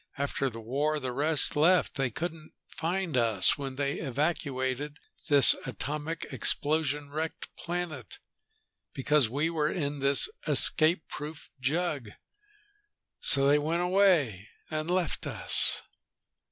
After the war the rest left. They couldn't find us when they evacuated this atomic explosion wrecked planet, because we were in this escape proof jug. So they went away and left us!"